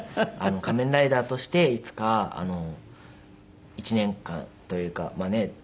仮面ライダーとしていつか１年間というかまあね